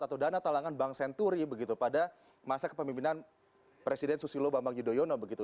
atau dana talangan bank senturi begitu pada masa kepemimpinan presiden susilo bambang yudhoyono begitu